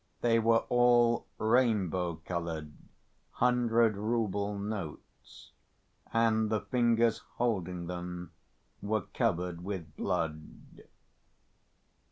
They were all rainbow‐colored hundred‐rouble notes, and the fingers holding them were covered with blood.